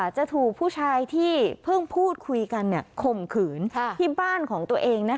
จะถูกผู้ชายที่เพิ่งพูดคุยกันข่มขืนที่บ้านของตัวเอง